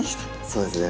そうですね。